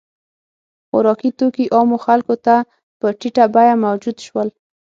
• خوراکي توکي عامو خلکو ته په ټیټه بیه موجود شول.